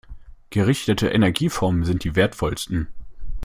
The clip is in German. Gerichtete Energieformen sind die wertvollsten.